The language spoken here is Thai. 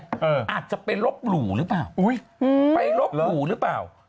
อาจจะไปลบหลู่หรือเปล่าอุ้ยไปลบหลู่หรือเปล่า